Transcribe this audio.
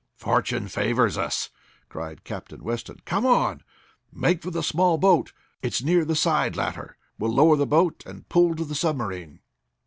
"Fortune favors us!" cried Captain Weston. "Come on! Make for the small boat. It's near the side ladder. We'll lower the boat and pull to the submarine."